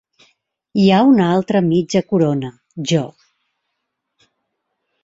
Hi ha una altra mitja corona, Jo.